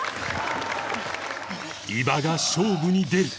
伊庭が勝負に出る